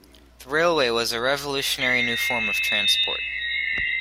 The railway was a revolutionary new form of transport.